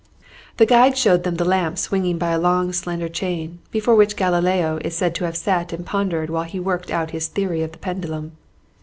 The guide showed them the lamp swinging by a long slender chain, before which Galileo is said to have sat and pondered while he worked out his theory of the pendulum.